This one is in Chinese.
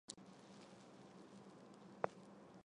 香港中药师协会由全体会员选举出执行委员会各成员。